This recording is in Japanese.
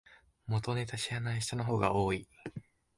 元ネタ知らない人の方が多い